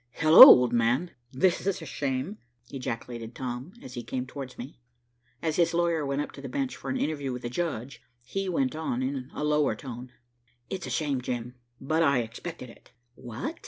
"Hello, old man. This is a shame," ejaculated Tom, as he came towards me. As his lawyer went up to the bench for an interview with the judge, he went on in a lower tone. "It is a shame, Jim, but I expected it." "What?"